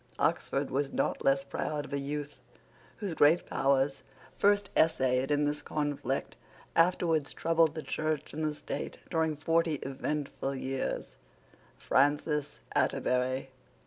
Oxford was not less proud of a youth, whose great powers, first essayed in this conflict, afterwards troubled the Church and the State during forty eventful years, Francis Atterbury.